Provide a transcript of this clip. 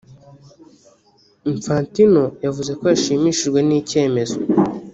Infantino yavuze ko yashimishijwe n'icyemezo